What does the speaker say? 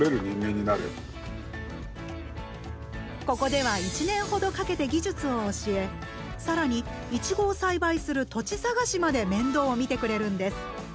ここでは１年ほどかけて技術を教え更にいちごを栽培する土地探しまで面倒を見てくれるんです。